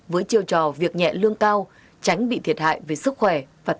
với chiêu trò việc nhẹ lương cao tránh bị thiệt hại về sức khỏe và tài sản